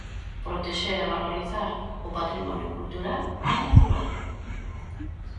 Protexer e valorizar o patrimonio cultural e natural.